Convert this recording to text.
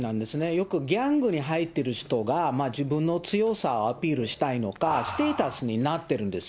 よくギャングに入っている人が、自分の強さアピールしたいのか、ステータスになってるんです。